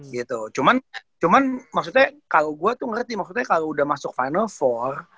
gitu cuman cuman maksudnya kalo gue tuh ngerti maksudnya kalo udah masuk final empat